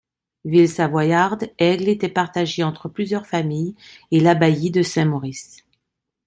Ville savoyarde, Aigle était partagée entre plusieurs famille et l'abbaye de St-Maurice.